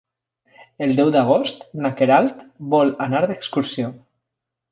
El deu d'agost na Queralt vol anar d'excursió.